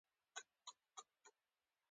• د انسان ږغ د ارتباط وسیله ده.